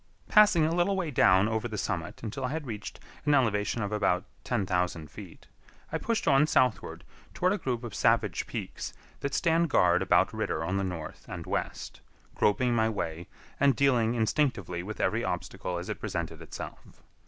Passing a little way down over the summit until I had reached an elevation of about 10,000 feet, I pushed on southward toward a group of savage peaks that stand guard about Ritter on the north and west, groping my way, and dealing instinctively with every obstacle as it presented itself.